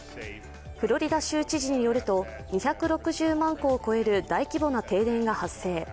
フロリダ州知事によると２６０万戸を超える大規模な停電が発生。